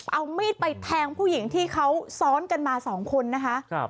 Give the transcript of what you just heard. เอามีดไปแทงผู้หญิงที่เขาซ้อนกันมาสองคนนะคะ